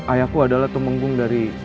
ayahku adalah temenggung dari